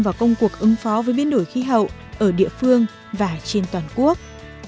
vào công cuộc ứng phó với biến đổi khí hậu ở địa phương và trên toàn quốc